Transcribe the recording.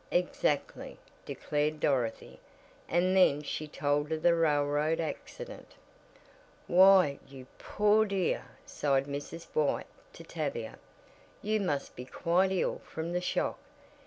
"Exactly," declared Dorothy, and then she told of the railroad accident. "Why, you poor dear!" sighed Mrs. White to Tavia, "you must be quite ill from the shock.